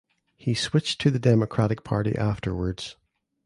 He switched to the Democratic Party afterwards.